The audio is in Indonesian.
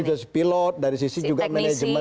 dari sisi pilot dari sisi juga manajemen